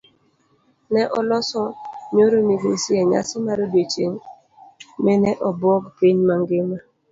Ne oloso nyoro migori enyasi mar odiochieng' mine ebuo piny mangima.